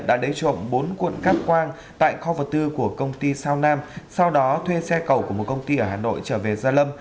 đã đẩy trộn bốn cuộn cắp quang tại kho và tư của công ty sao nam sau đó thuê xe cầu của một công ty ở hà nội trở về gia lâm